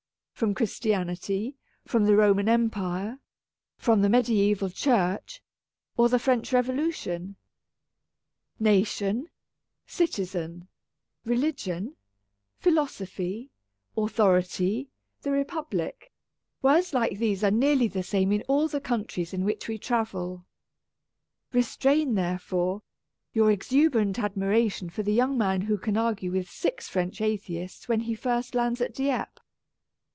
From Christianity, from the Roman Empire, from the mediaeval Church, or the French Revo lution. '^ Nation," '' citizen," " religion," "philosophy," "authority," "the Repub lic," words like these are nearly the same in all the countries in which we travel. Re ["S] A Tragedy of Twopence strain, therefore, your exuberant admiration for the young man who can argue with six French atheists when he first lands at Dieppe.